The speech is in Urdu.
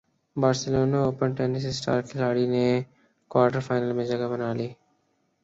بارسلونا اوپن ٹینس اسٹار کھلاڑی نے کوارٹر فائنل میں جگہ بنا لی